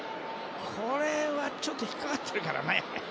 これはちょっと引っかかっているからね。